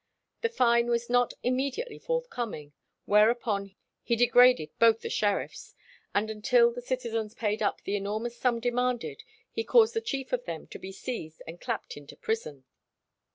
The fine was not immediately forthcoming, whereupon he degraded both the sheriffs, and until the citizens paid up the enormous sum demanded, he caused the chief of them to be seized and clapped into prison.